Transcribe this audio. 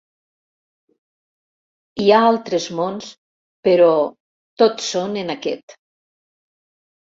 «hi ha altres mons però tots són en aquest».